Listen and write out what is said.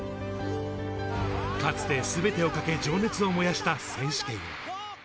かつて全てを懸け、情熱を燃やした選手権。